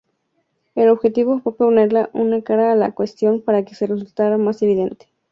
El objetivo fue ponerle una cara a la cuestión para que resultase más evidente.